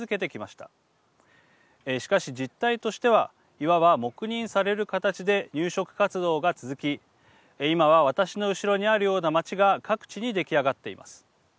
しかし、実態としてはいわば黙認される形で入植活動が続き今は、私の後ろにあるような町が各地に出来上がっています。